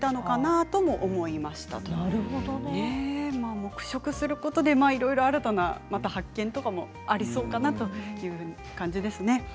黙食することでいろいろ新たな発見とかもありそうかなという感じですね。